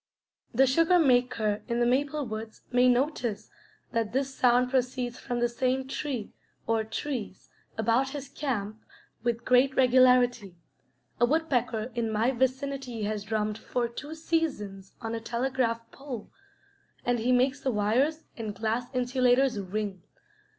The sugar maker in the maple woods may notice that this sound proceeds from the same tree or trees about his camp with great regularity. A woodpecker in my vicinity has drummed for two seasons on a telegraph pole, and he makes the wires and glass insulators ring.